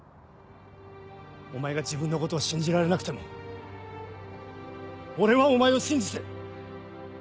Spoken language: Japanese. お前が自分のことを信じられなくても俺はお前を信じてる。